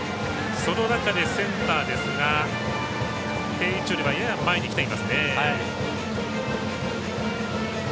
その中でセンターですが定位置よりはやや前に来ています。